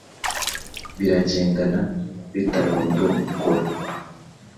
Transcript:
Biragendana bitarondogora